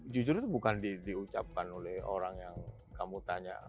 jujur itu bukan diucapkan oleh orang yang kamu tanya